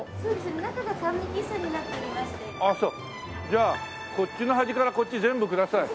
じゃあこっちの端からこっち全部ください。